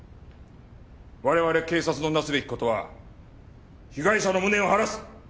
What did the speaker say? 我々警察の成すべき事は被害者の無念を晴らす。